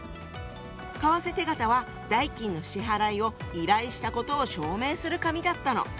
為替手形は代金の支払いを依頼したことを証明する紙だったの。